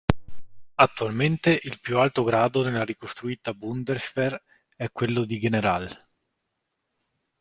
Attualmente il più alto grado nella ricostituita Bundeswehr è quello di General.